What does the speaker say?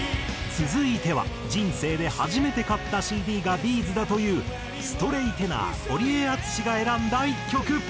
続いては人生で初めて買ったＣＤがＢ’ｚだというストレイテナーホリエアツシが選んだ一曲。